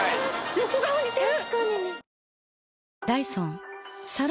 横顔似てる！